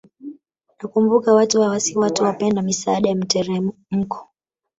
Nakumbuka watu hawa si watu wapenda misaada ya mteremko